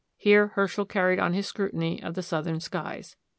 Here Herschel carried on his scrutiny of the Southern skies.